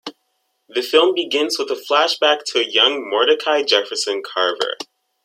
The film begins with a flashback to a young Mordechai Jefferson Carver.